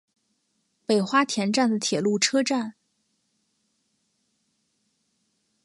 北花田站的铁路车站。